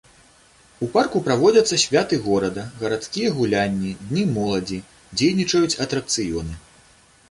У парку праводзяцца святы горада, гарадскія гулянні, дні моладзі, дзейнічаюць атракцыёны.